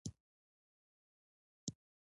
که جایزه وي نو لیوالتیا نه کمیږي.